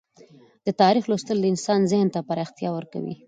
د تاریخ لوستل د انسان ذهن ته پراختیا ورکوي.